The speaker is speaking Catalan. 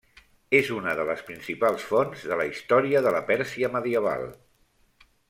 És una de les principals fonts de la història de la Pèrsia medieval.